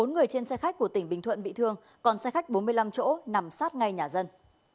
bốn người trên xe khách của tỉnh bình thuận bị thương còn xe khách bốn mươi năm chỗ nằm sát ngay nhà dân